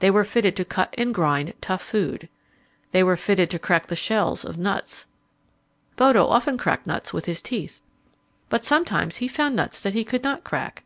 They were fitted to cut and grind tough food. They were fitted to crack the shells of nuts. Bodo often cracked nuts with his teeth. But sometimes he found nuts that he could not crack.